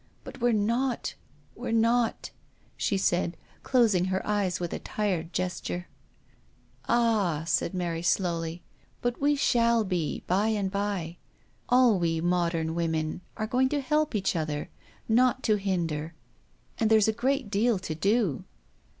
But we're not," she said, closing her eyes with a tired gesture. " Yes," said Mary, " our time is dawning — at last. All we modern women are going to help each other, not to hinder. And there's a great deal to do